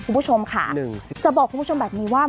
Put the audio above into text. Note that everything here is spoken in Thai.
คุณผู้ชมค่ะจะบอกคุณผู้ชมแบบนี้ว่า